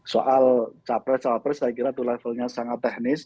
soal capres capres saya kira itu levelnya sangat teknis